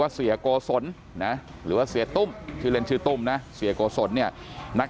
ว่าเสียโกสนหรือสีตำก็เล่นชื่อตอ้มนะเสียโกสนนี่นัก